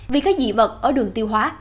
vì có dị vật ở đường tiêu hóa